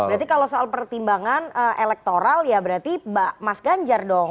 berarti kalau soal pertimbangan elektoral ya berarti mas ganjar dong